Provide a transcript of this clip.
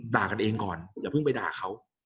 ด่ากันเองก่อนอย่าเพิ่งไปด่าเขา